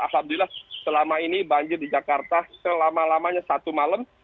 alhamdulillah selama ini banjir di jakarta selama lamanya satu malam